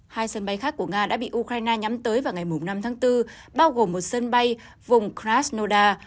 hai sân bay khác của nga đã bị ukraine nhắm tới vào ngày năm tháng bốn bao gồm một sân bay vùng crasnoda